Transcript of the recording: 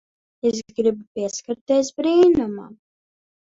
Es gribu pieskarties brīnumam.